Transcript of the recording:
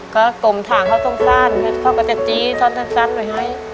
ก็กลมถ่างเขาตรงสั้นเขาก็จะจี้สั้นไว้ให้